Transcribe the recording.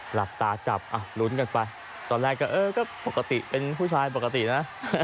หลับตาจับลุ้นกันไปตอนแรกก็เออก็ปกติเป็นผู้ชายปกตินะ